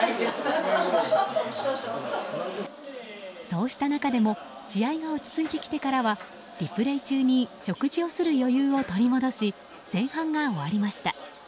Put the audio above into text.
そうした中でも試合が落ち着いてきてからはリプレイ中に食事をする余裕を取り戻し前半が終わりました。